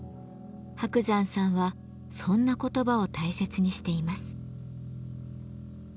伯山さんはそんな言葉を大切にしています。